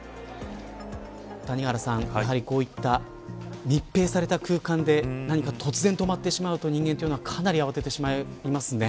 谷原さん、やはりこういった密閉された空間で何か、突然止まってしまうと人間というのはかなり慌ててしまいますね。